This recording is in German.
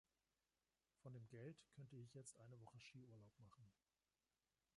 Von dem Geld könnte ich jetzt eine Woche Skiurlaub machen.